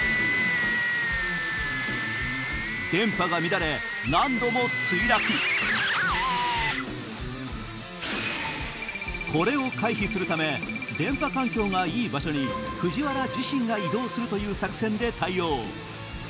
・電波が乱れ何度も墜落これを回避するため電波環境がいい場所に藤原自身が移動するという作戦で対応